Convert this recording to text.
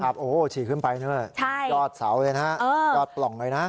โอ้โหฉี่ขึ้นไปด้วยยอดเสาเลยนะยอดปล่องเลยนะ